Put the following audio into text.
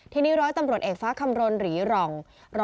ทีนี้ร้อยตำรวจเอกฟ้าคำรณหรีร่อง